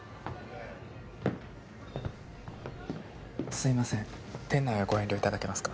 すいません店内はご遠慮いただけますか？